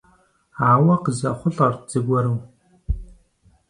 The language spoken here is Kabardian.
Ауэ къызэхъулӀэрт зыгуэру.